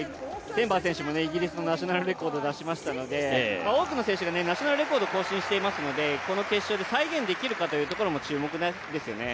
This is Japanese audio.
センバー選手もイギリスのナショナルレコードを出しましたので多くの選手がナショナルレコードを更新していますのでこの決勝で再現できるかというところも注目ですよね。